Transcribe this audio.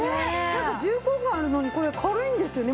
なんか重厚感あるのにこれ軽いんですよね。